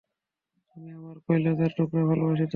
তুমি আমার কইলজার টুকরা ভালোবাসি তোরে।